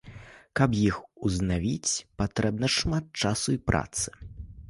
Каб іх узнавіць, патрэбна шмат часу і працы.